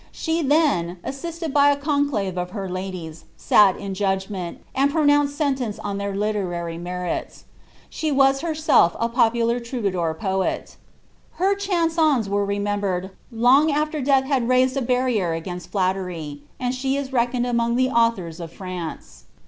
She then, assisted by a conclave of her ladies, sat in judgment, and pronounced sentence on their literary merits. She was herself a popular troubadour poet. Her chansems were remem bered, long aAer death had raised a barrier against flattery, and she is reckoned among the authors of France.'